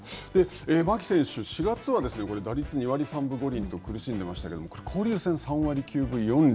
牧選手、４月は打率２割３分５厘と苦しんでいましたけど、交流戦３割９分４厘。